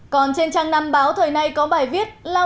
còn trên trang năm báo thời nay có bài viết lao